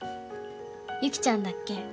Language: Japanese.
ユキちゃんだっけ？